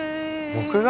僕が？